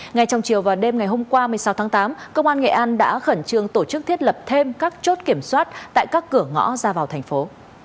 ngay trong chiều và đêm ngày hôm qua một mươi sáu tháng tám công an nghệ an đã khẩn trương tổ chức thiết lập thêm các chốt kiểm soát tại các cửa ngõ ra vào thành phố